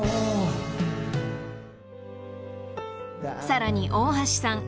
［さらに大橋さん。